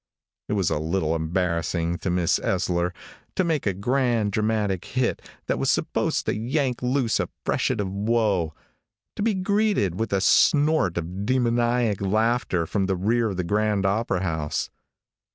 It was a little embarrassing to Miss Ellsler to make a grand dramatic hit that was supposed to yank loose a freshet of woe, to be greeted with a snort of demoniac laughter from the rear of the grand opera house.